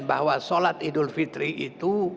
bahwa sholat idul fitri itu